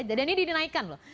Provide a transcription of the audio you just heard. jadi ini dinaikan loh